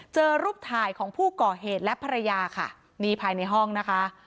เจอรูปถ่ายของผู้ก่อเหตุและภรรยาค่ะนี่ภายในห้องนะคะ